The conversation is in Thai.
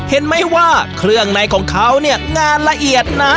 เห็นไหมว่าเครื่องในของเขาเนี่ยงานละเอียดนะ